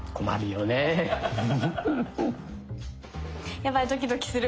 やばいドキドキする。